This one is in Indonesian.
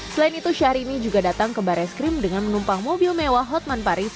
selain itu syahrini juga datang ke barreskrim dengan menumpang mobil mewah hotman paris